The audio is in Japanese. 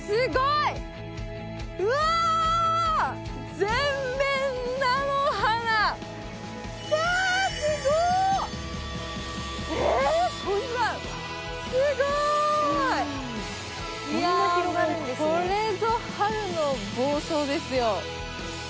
いやもうこれぞ春の房総ですよ。